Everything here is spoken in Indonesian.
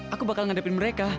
aku bakal ngadepin mereka